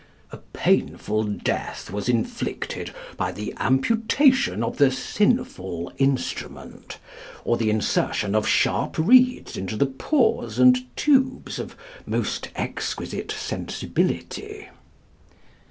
A painful death was inflicted by the amputation of the sinful instrument, or the insertion of sharp reeds into the pores and tubes of most exquisite sensibility."